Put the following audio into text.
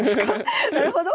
なるほど。